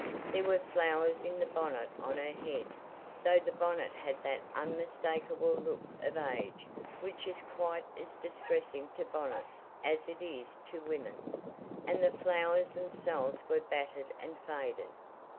There were flowers in the bonnet on her head, though the bonnet had that unmistakable look of age which is quite as distressing to bonnets as it is to women, and the flowers themselves were battered and faded.